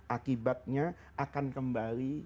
akibatnya akan kembali